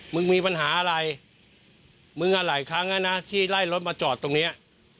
มึงมีปัญหาอะไรมึงอ่ะหลายครั้งอ่ะนะที่ไล่รถมาจอดตรงเนี้ย